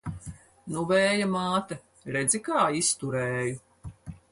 Nu, Vēja māte, redzi, kā izturēju!